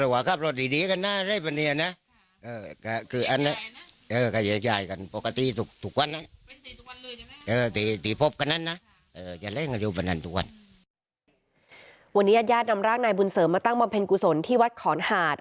วันนี้ญาติญาตินำร่างนายบุญเสริมมาตั้งบำเพ็ญกุศลที่วัดขอนหาด